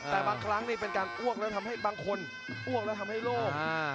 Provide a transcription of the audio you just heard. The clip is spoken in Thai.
แต่บางครั้งนี่เป็นการอ้วกแล้วทำให้บางคนอ้วกแล้วทำให้โล่ง